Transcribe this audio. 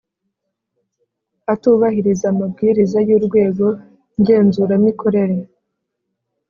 atubahiriza amabwiriza y’urwego ngenzuramikorere